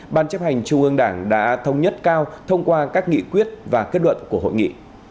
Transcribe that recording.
ban chấp hành trung ương đảng đã thống nhất cao thông qua các nghị quyết và kết luận của hội nghị